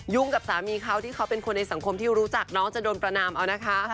กับสามีเขาที่เขาเป็นคนในสังคมที่รู้จักน้องจะโดนประนามเอานะคะ